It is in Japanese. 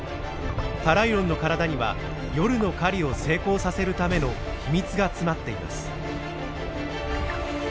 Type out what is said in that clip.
タライロンの体には夜の狩りを成功させるための秘密が詰まっています。